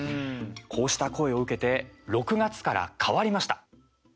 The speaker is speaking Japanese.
こうした声を受けて６月から変わりました。